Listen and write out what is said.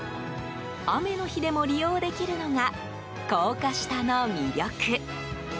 雨の日でも利用できるのが高架下の魅力。